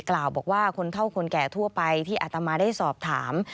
แล้วคุณตูนแก่ทั่วไปที่อาตมาได้สอบถาม